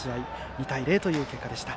２対０という結果でした。